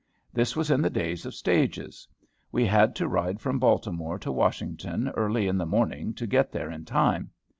This was in the days of stages. We had to ride from Baltimore to Washington early in the morning to get there in time.